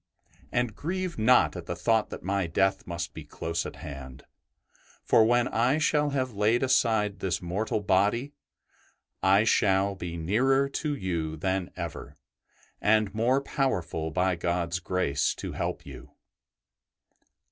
And grieve not at the thought that my death must be close at hand, for when I shall have laid aside this mortal body I shall be nearer to you than ever, and more powerful by God's grace to help you."